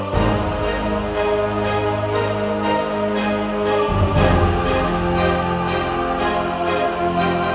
dia pasti mau nanya soal makan palsu itu